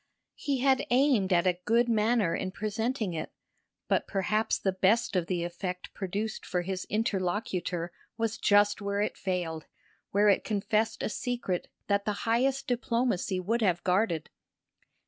He had aimed at a good manner in presenting it, but perhaps the best of the effect produced for his interlocutor was just where it failed, where it confessed a secret that the highest diplomacy would have guarded.